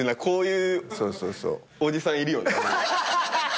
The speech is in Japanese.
こういうおじさんいるよな。